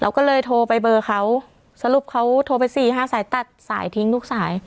ก็เลยโทรไปเบอร์เขาสรุปเขาโทรไปสี่ห้าสายตัดสายทิ้งทุกสาย